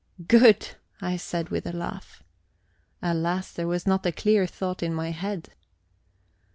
"Good," I said with a laugh. Alas, there was not a clear thought in my head.